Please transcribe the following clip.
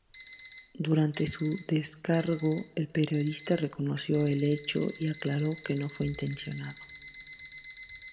Durante su descargo, el periodista reconoció el hecho y aclaró que no fue intencionado.